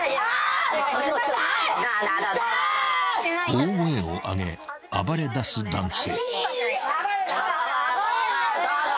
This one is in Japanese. ［大声を上げ暴れだす男性］